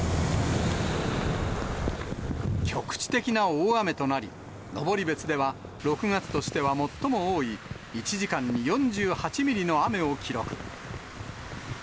局地的な大雨となり、登別では、６月としては最も多い、１時間に４８ミリの雨を記録。